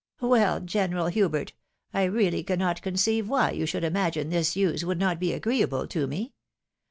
Well, General Hubert !— I really cannot conceive why you should imagine this news woiild not be agreeable to me.